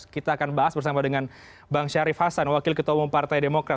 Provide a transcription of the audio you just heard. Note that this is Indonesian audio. kita akan bahas bersama dengan bang syarif hasan wakil ketua umum partai demokrat